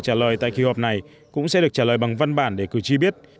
điểm mới của kỳ họp này cũng sẽ được trả lời bằng văn bản để cử tri biết